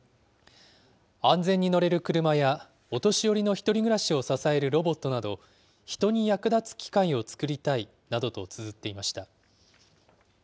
安全に乗れる車や、お年寄りの１人暮らしを支えるロボットなど、人に役立つ機械を作りたいなどとつづっていました。